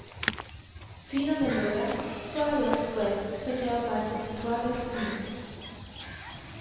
Fino ad allora Troisdorf-West faceva parte di Troisdorf-Mitte.